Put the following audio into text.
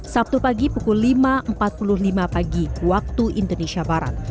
sabtu pagi pukul lima empat puluh lima pagi waktu indonesia barat